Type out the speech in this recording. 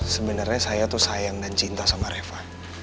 sebenarnya saya tuh sayang dan cinta sama reva